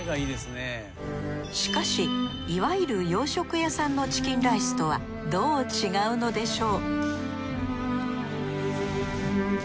しかしいわゆる洋食屋さんのチキンライスとはどう違うのでしょう？